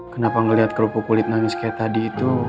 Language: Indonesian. kenapa melihat kulit kulit nangis seperti tadi